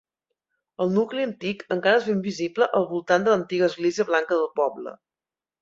El nucli antic encara és ben visible al voltant de l'antiga església blanca del poble.